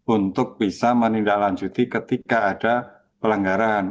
untuk bisa menindaklanjuti ketika ada pelanggaran